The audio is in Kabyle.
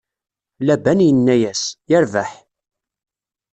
Laban inna-yas: Yerbeḥ!